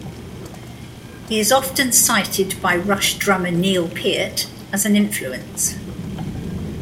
He is often cited by Rush drummer Neil Peart as an influence.